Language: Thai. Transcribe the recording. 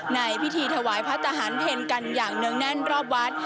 ในพิธีถวายพระทหารเพลกันอย่างเนื่องแน่นรอบวัด